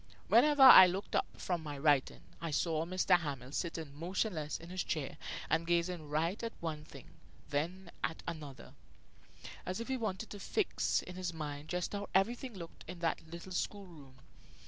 Whenever I looked up from my writing I saw M. Hamel sitting motionless in his chair and gazing first at one thing, then at another, as if he wanted to fix in his mind just how everything looked in that little school room.